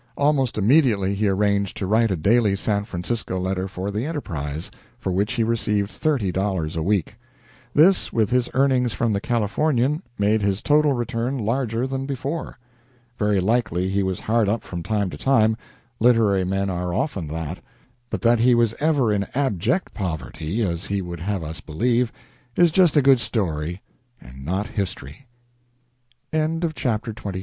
Almost immediately he arranged to write a daily San Francisco letter for the "Enterprise," for which he received thirty dollars a week. This, with his earnings from the "Californian," made his total return larger than before. Very likely he was hard up from time to time literary men are often that but that he was ever in abject poverty, as he would have us believe, is just a good story and not history. XXIV. THE DISCOVERY OF "THE JUMPING FROG" M